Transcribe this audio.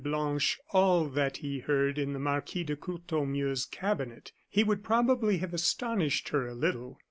Blanche all that he heard in the Marquis de Courtornieu's cabinet, he would probably have astonished her a little.